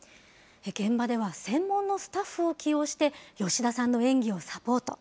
現場では、専門のスタッフを起用して、吉田さんの演技をサポート。